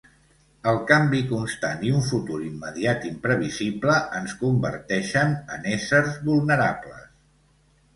El canvi constant i un futur immediat imprevisible ens converteixen en éssers vulnerables.